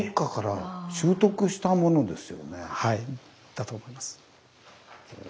だと思います。